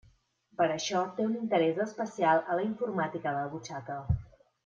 Per això té un interès especial a la informàtica de butxaca.